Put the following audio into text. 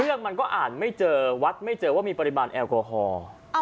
เรื่องมันก็อ่านไม่เจอวัดไม่เจอว่ามีปริมาณแอลกอฮอล์